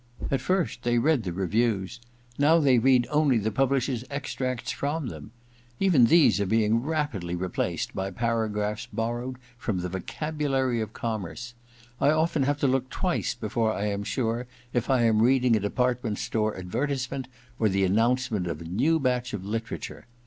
At first they read the reviews; now they read only the publishers' extracts from them. Even these are rapidly being replaced by paragraphs borrowed from the vocabulary of commerce. I often have to look twice before I am sure if I am reading a department store advertisement or the announcement of a new batch of literature.